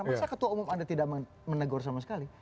masa ketua umum anda tidak menegur sama sekali